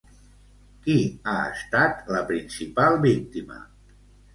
Qui ha estat la principal víctima?